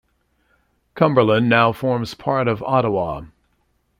Cumberland now forms part of Ottawa.